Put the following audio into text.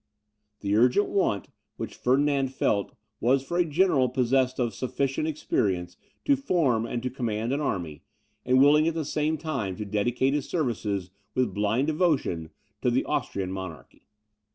The urgent want which Ferdinand felt, was for a general possessed of sufficient experience to form and to command an army, and willing at the same time to dedicate his services, with blind devotion, to the Austrian monarchy.